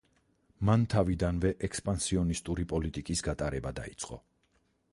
მან თავიდანვე ექსპანსიონისტური პოლიტიკის გატარება დაიწყო.